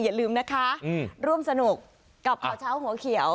อย่าลืมนะคะร่วมสนุกกับข่าวเช้าหัวเขียว